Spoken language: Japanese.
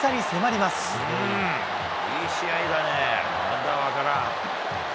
いい試合だね。